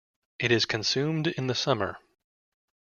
It is consumed in the summer.